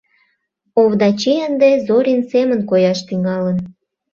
Овдачи ынде Зорин семын кояш тӱҥалын.